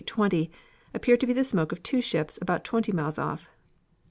20 appeared to be the smoke of two ships about twenty miles off.